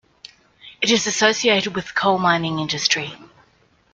It is associated with the coal mining industry.